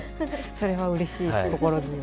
それはうれしいし心強い。